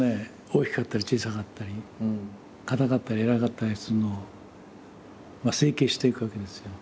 大きかったり小さかったり硬かったり軟らかかったりするのを整形していくわけですよ。